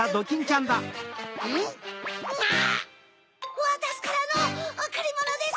ん？あっ！わたしからのおくりものです！